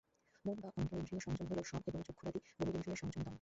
মন বা অন্তরিন্দ্রিয়-সংযম হইল শম এবং চক্ষুরাদি বহিরিন্দ্রিয়ের সংযম দম।